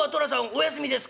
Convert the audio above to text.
お休みですか？」。